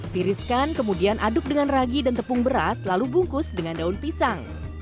tiriskan kemudian aduk dengan ragi dan tepung beras lalu bungkus dengan daun pisang